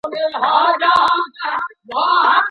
په لاس لیکلنه د رسمي اسنادو لپاره مهم دي.